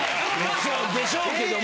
でしょうけども。